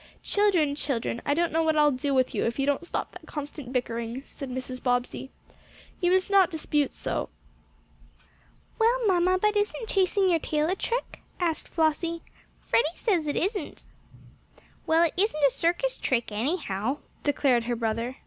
"Children children I don't know what I'll do with you if you don't stop that constant bickering," said Mrs. Bobbsey. "You must not dispute so." "Well, mamma, but isn't chasing your tail a trick?" asked Flossie. "Freddie says it isn't." "Well, it isn't a circus trick, anyhow," declared her brother.